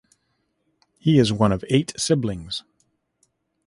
He is one of eight siblings.